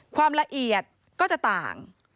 ความละเอียดก็จะต่าง